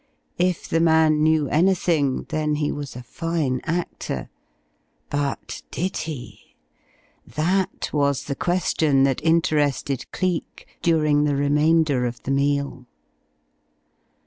If the man knew anything, then he was a fine actor. But did he? That was the question that interested Cleek during the remainder of the meal.